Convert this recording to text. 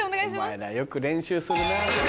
お前らよく練習するな。